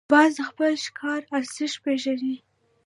باز د خپل ښکار ارزښت پېژني